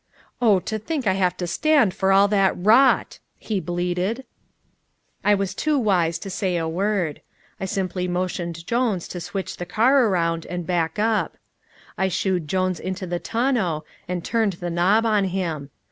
"Oh, to think I have to stand for all that rot!" he bleated. I was too wise to say a word. I simply motioned James to switch the car around and back up. I shooed Jones into the tonneau and turned the knob on him.